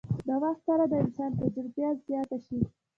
د وخت سره د انسان تجربه زياته شي